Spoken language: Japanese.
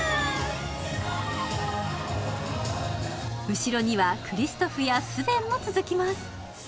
後ろにはクリストフやスヴェンも続きます